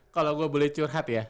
kalau gue boleh curhat ya